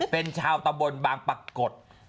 เป็นชาวตะบนบางปรากฏ